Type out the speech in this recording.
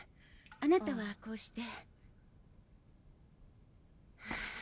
あなたはこうして。